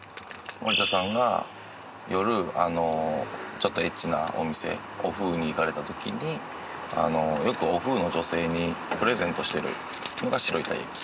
森田さんが夜ちょっとエッチなお店お風に行かれた時によくお風の女性にプレゼントしてるのが白いたい焼き。